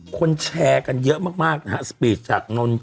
คนแชร์กันเยอะมากนะฮะ